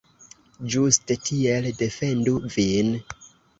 Ĝuste tiel, defendu vin!